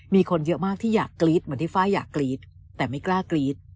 มีคนเยอะมากที่อยากกรี๊ดเหมือนที่ฟ้าอยากกรี๊ดแต่ไม่กล้ากรี๊ด